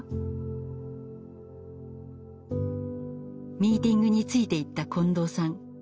ミーティングについていった近藤さん。